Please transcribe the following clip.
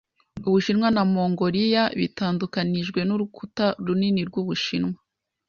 Ubushinwa na Mongoliya bitandukanijwe n'Urukuta runini rw'Ubushinwa.